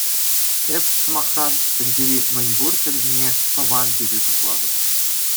Эп, сӑмахран, тӗнчери мӗнпур чӗлхене "тӑван" тесе шутлатӑп.